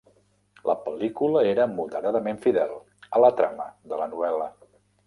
La pel·lícula era moderadament fidel a la trama de la novel·la.